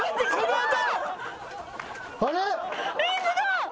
あれ？